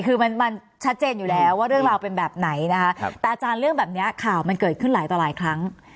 คือมันชัดเจนอยู่แล้วว่าเรื่องราวเป็นแบบไหนนะคะแต่อาจารย์เรื่องแบบนี้ข่าวมันเกิดขึ้นหลายต่อหลายครั้ง